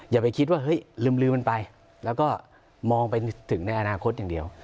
อย่าไปคิดว่าเฮ้ยลืมมันไปแล้วก็มองไปถึงในอนาคตอย่างเดียว